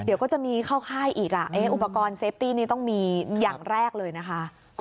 เดี๋ยวก็จะมีเข้าค่ายอีกอุปกรณ์เซฟตี้นี่ต้องมีอย่างแรกเลยนะคะ